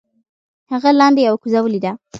هغه لاندې یو کوزه ولیده.